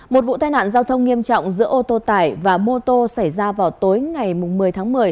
một vụ tai nạn giao thông nghiêm trọng giữa ô tô tải và mô tô xảy ra vào tối ngày một mươi tháng một mươi